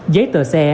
giấy tờ xe